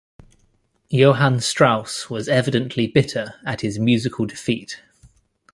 Johann Strauss was evidently bitter at his 'musical defeat'.